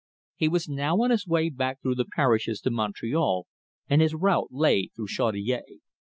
He was now on his way back through the parishes to Montreal, and his route lay through Chaudiere.